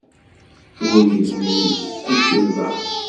Ur yebni ad k-iẓer.